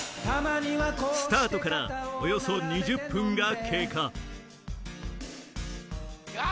スタートからおよそ２０分が経過あ！